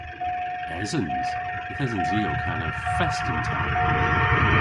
Esens. Yth esens i ow kana fest yn ta.